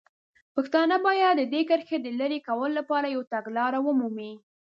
پښتانه باید د دې کرښې د لرې کولو لپاره یوه تګلاره ومومي.